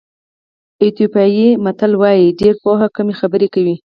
ایتیوپیایي متل وایي ډېره پوهه کمې خبرې کوي.